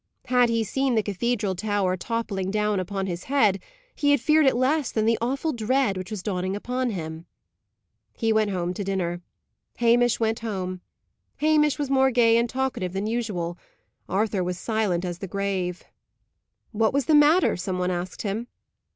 Had he seen the cathedral tower toppling down upon his head, he had feared it less than the awful dread which was dawning upon him. He went home to dinner. Hamish went home. Hamish was more gay and talkative than usual Arthur was silent as the grave. What was the matter, some one asked him.